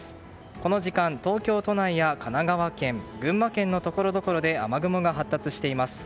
この時間、東京都内や神奈川県群馬県のところどころで雨雲が発達しています。